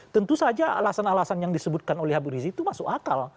tentu saja alasan alasan yang disebutkan oleh habib rizik itu masuk akal